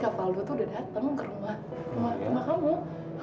kamu gak mau ngumpulin uang ibu kamu dulu kan